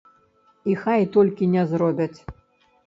І хай толькі не зробяць.